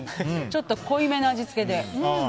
ちょっと濃いめの味付けで。